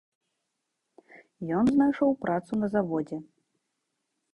Ён знайшоў працу на заводзе.